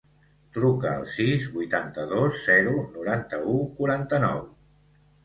Truca al sis, vuitanta-dos, zero, noranta-u, quaranta-nou.